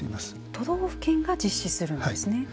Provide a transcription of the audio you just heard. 都道府県が実施するんですね。